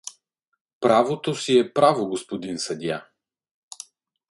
— Правото си е право, г-н съдия.